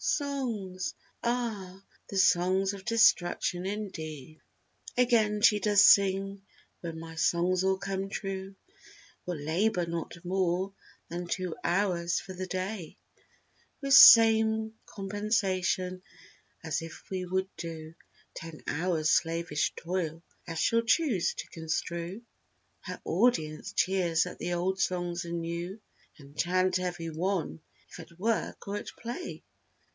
Songs!!! Ah! the songs of Destruction indeed. Again she does sing: "When my songs all come true We'll labor not more than two hours for the day; With same compensation as if we would do Ten hours' slavish toil!" (as she'll choose to con¬ strue. ) Her audience cheers at the old songs and new, And chant every one, if at work or at play.